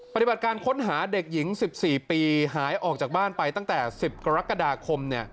ปฏิบัติการค้นหาเด็กหญิง๑๔ปีหายออกจากบ้านไปตั้งแต่๑๐กรกฎาคม